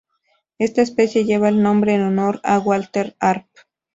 Esta especie lleva el nombre en honor a Walter Arp.